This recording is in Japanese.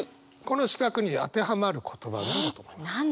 この四角に当てはまる言葉何だと思います？